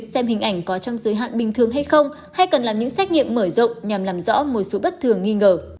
xem hình ảnh có trong giới hạn bình thường hay không hay cần làm những xét nghiệm mở rộng nhằm làm rõ một số bất thường nghi ngờ